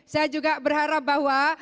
saya juga berharap bahwa